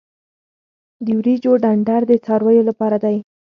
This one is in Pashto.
د وریجو ډنډر د څارویو لپاره دی.